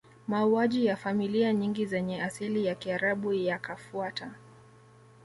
Mauaji ya familia nyingi zenye asili ya Kiarabu yakafuata